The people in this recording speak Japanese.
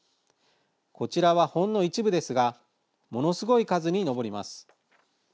こちらはほんの一部ですがものすごい数に上ります。